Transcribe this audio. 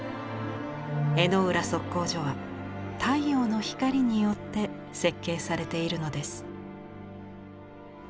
江之浦測候所は太陽の光によって設計されているのです。